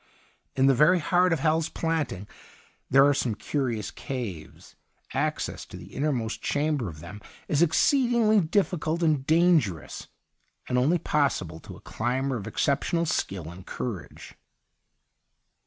In the very heart of Hal's Planting there are some curious caves : access to the innermost chamber of them is exceedingly difficult and dangerous, and only possible to a climber of exceptional skill and courage.